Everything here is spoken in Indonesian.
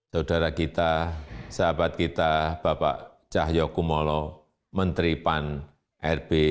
saudara kita sahabat kita bapak cahyokumolo menteri pan rb